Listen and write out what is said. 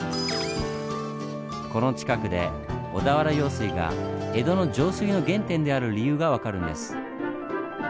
この近くで小田原用水が江戸の上水の原点である理由が分かるんです。